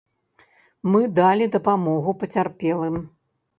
Мы далі дапамогу пацярпелым.